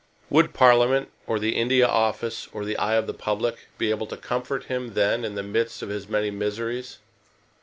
Would Parliament, or the India Office, or the eye of the public be able to comfort him then in the midst of his many miseries?